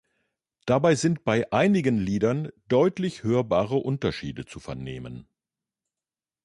Dabei sind bei einigen Liedern deutlich hörbare Unterschiede zu vernehmen.